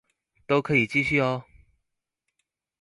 都可以繼續喔